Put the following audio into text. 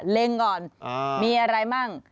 เล็งก่อนมีอะไรมั่ง